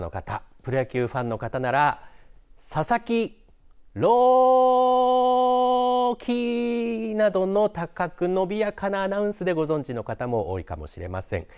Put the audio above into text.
プロ野球ファンの方ならささき・ろーーきなどの高く伸びやかなアナウンスでご存じの方も多いかもしれません。